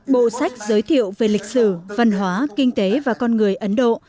bộ sách giới thiệu về lịch sử văn hóa kinh tế và con người ấn độ